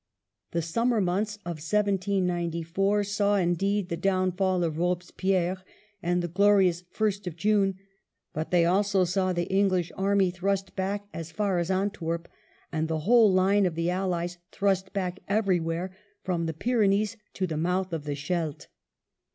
The summer months of 1794 saw, indeed, the downfall of Eobespierre and the "glorious 1st of June," but they also saw the English army thrust back as far as Antwerp, and the whole line of the Allies thrust back everywhere from the Pyrenees to the mouth of the Scheldt.